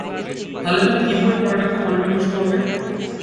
তাহলে তুমি কিভাবে পড়ালেখায় মনোনিবেশ করবে?